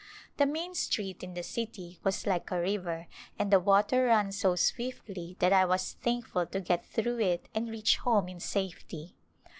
The main street in the city was like a river and the water ran so swiftly that I was thankful to get through it and reach home in safety.